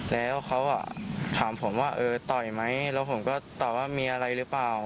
แล้วเขาถามผมว่าเออต่อยไหมแล้วผมก็ตอบว่ามีอะไรหรือเปล่า